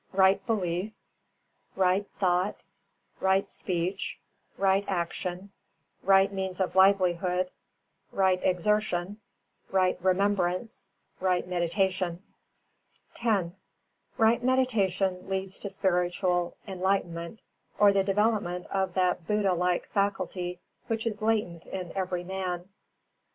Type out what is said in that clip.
_: Right Belief; Right Thought; Right Speech; Right Action; Right Means of Livelihood; Right Exertion; Right Remembrance; Right Meditation. X Right Meditation leads to spiritual enlightenment, or the development of that Buddha like faculty which is latent in every man.